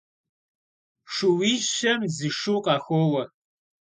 Шууищэм зы шу къахоуэ.